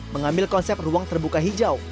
mengambil konsep ruang terbuka hijau